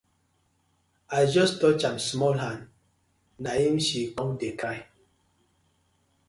I just touch am small hand na im she com dey cry.